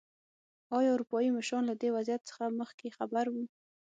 ایا اروپايي مشران له دې وضعیت څخه مخکې خبر وو.